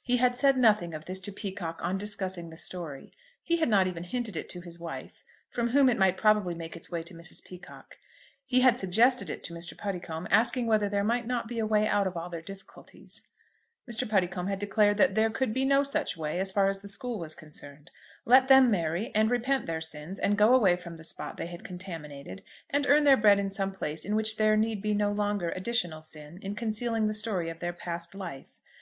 He had said nothing of this to Peacocke on discussing the story. He had not even hinted it to his wife, from whom it might probably make its way to Mrs. Peacocke. He had suggested it to Mr. Puddicombe, asking whether there might not be a way out of all their difficulties. Mr. Puddicombe had declared that there could be no such way as far as the school was concerned. Let them marry, and repent their sins, and go away from the spot they had contaminated, and earn their bread in some place in which there need be no longer additional sin in concealing the story of their past life.